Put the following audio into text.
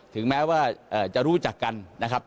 ถึงแม้ว่าจะรู้จักกันนะครับ